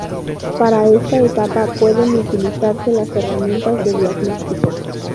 Para esta etapa pueden utilizarse las Herramientas de diagnóstico.